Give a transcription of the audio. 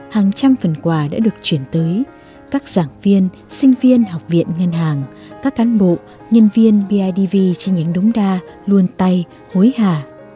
hàng trăm phần quà đã được chuyển tới các giảng viên sinh viên học viện ngân hàng các cán bộ nhân viên bidv chi nhánh đống đa luôn tay hối hả